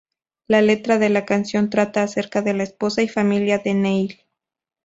La letra de la canción trata acerca de la esposa y familia de Neil.